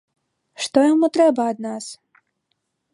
Што яму трэба ад нас?